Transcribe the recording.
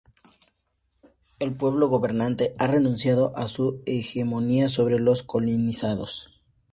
el pueblo gobernante ha renunciado a su hegemonía sobre los colonizados